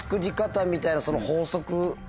法則。